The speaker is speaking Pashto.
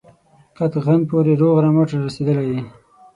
قطغن پوري روغ رمټ را رسېدلی یې.